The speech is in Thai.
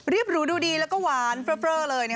รีบหรูดูดีแล้วก็หวานเฟอร์เลย